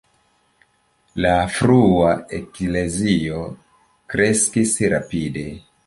La frua Eklezio kreskis rapide.